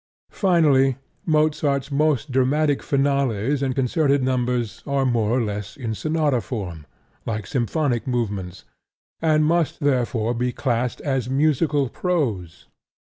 Finally, Mozart's most dramatic finales and concerted numbers are more or less in sonata form, like symphonic movements, and must therefore be classed as musical prose.